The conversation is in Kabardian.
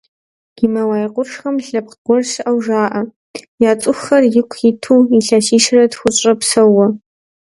Гималай къуршхэм лъэпкъ гуэр щыӏэу жаӏэ, я цӏыхухэр ику иту илъэсищэрэ тхущӏрэ псэууэ.